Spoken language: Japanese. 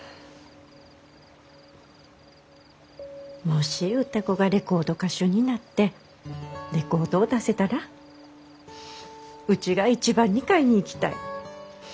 もし歌子がレコード歌手になってレコードを出せたらうちが一番に買いに行きたい。